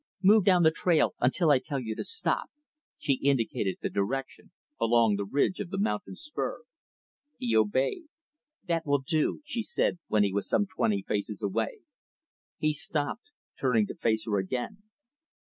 Move down the trail until I tell you to stop." She indicated the direction, along the ridge of the mountain spur. He obeyed. "That will do," she said, when he was some twenty paces away. He stopped, turning to face her again.